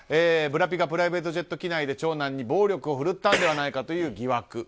ブラピがプライベートジェット機内で長男に暴力を振るったという疑惑。